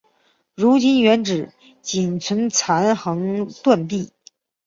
如今原址仅存残垣断壁。